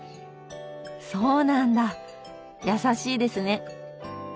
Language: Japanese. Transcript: そうなんだ優しいですね。